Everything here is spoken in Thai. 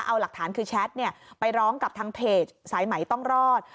เอาหลักฐานคือแชทไปร้องกับทางเพจสายไหมต้องรอด